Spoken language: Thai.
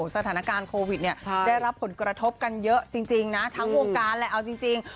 สถานการณ์โควิดเนี่ยได้รับผลกระทบกันเยอะจริงนะทั้งวงการแหละเอาจริง